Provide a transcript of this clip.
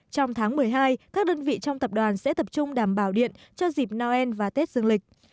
trong tháng một mươi hai các đơn vị trong tập đoàn sẽ tập trung đảm bảo điện cho dịp noel và tết dương lịch